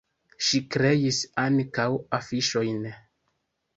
Ŝi kreis ankaŭ afiŝojn.